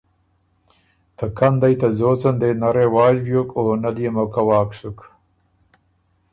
ته کندئ ته ځوڅن دې نۀ رواج بیوک او نۀ ليې موقع واک سُک